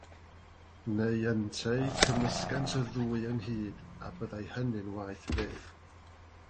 Neu ynteu, cymysgent y ddwy ynghyd, a byddai hynny'n waeth fyth.